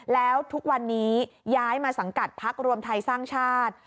แล้วทุกวันนี้ย้ายมาสังกัดพักรวมไทยสร้างชาติ